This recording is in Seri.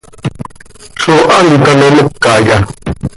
¿Zó hant ano mocaya?